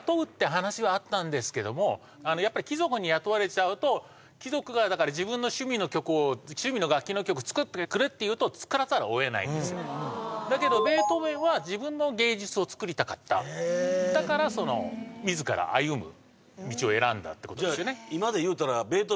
はいあのやっぱり貴族に雇われちゃうと貴族が自分の趣味の曲を趣味の楽器の曲作ってくれって言うと作らざるを得ないんですよだけどベートーヴェンは自分の芸術を作りたかったへえだからその自ら歩む道を選んだってことですよねじゃ